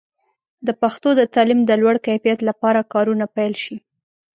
د پښتو د تعلیم د لوړ کیفیت لپاره کارونه پیل شي.